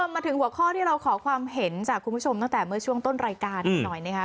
มาถึงหัวข้อที่เราขอความเห็นจากคุณผู้ชมตั้งแต่เมื่อช่วงต้นรายการกันหน่อยนะคะ